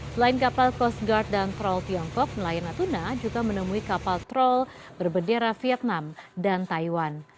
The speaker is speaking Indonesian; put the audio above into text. selain kapal coast guard dan troll tiongkok nelayan natuna juga menemui kapal troll berbendera vietnam dan taiwan